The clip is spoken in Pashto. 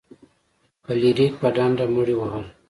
فلیریک په ډنډه مړي وهل.